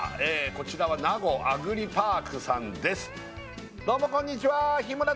こちらはなごアグリパークさんです